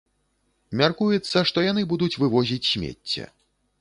Мяркуецца, што яны будуць вывозіць смецце.